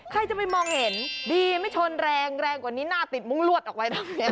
ใครจะไปมองเห็นดีไม่ชนแรงแรงกว่านี้หน้าติดมุ้งรวดออกไว้ทำยังไง